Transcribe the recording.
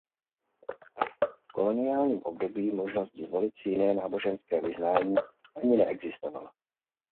V koloniálním období možnost zvolit si jiné náboženské vyznání ani neexistovala.